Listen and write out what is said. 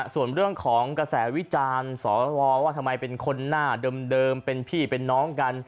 ส่วนเรื่องของกระแสวิจารณ์สวว่าทำไมเป็นคนหน้าเดิมเป็นพี่เป็นน้องกัน